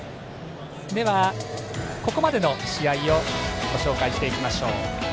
では、ここまでの試合をご紹介していきましょう。